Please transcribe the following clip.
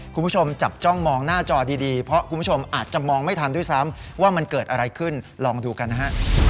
คุณผู้ชมจับจ้องมองหน้าจอดีเพราะคุณผู้ชมอาจจะมองไม่ทันด้วยซ้ำว่ามันเกิดอะไรขึ้นลองดูกันนะฮะ